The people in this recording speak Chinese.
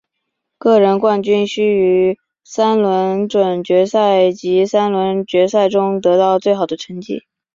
个人冠军需于三轮准决赛及三轮决赛中得到最好的成绩。